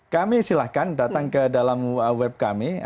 kami silahkan datang ke dalam web kami